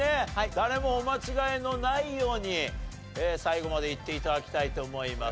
誰もお間違えのないように最後までいって頂きたいと思います。